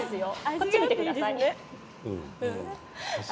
こっちを見てください。